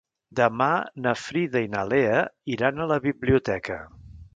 Demà na Frida i na Lea iran a la biblioteca.